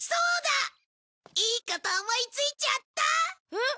えっ？